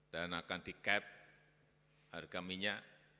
dan akan di cap harga minyak